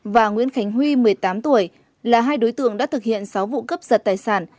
và nguyễn khánh huy một mươi tám tuổi là hai đối tượng đã thực hiện sáu vụ cướp giật tài sản